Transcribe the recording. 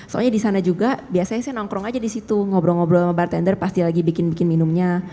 soalnya di sana juga biasanya saya nongkrong aja di situ ngobrol ngobrol sama bartender pas dia lagi bikin bikin minumnya